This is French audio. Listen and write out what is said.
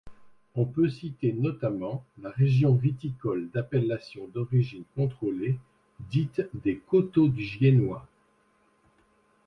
On peut citer notamment la région viticole d'appellation d'origine contrôlée dite des coteaux-du-giennois.